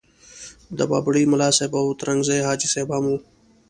د بابړي ملاصاحب او ترنګزیو حاجي صاحب هم وو.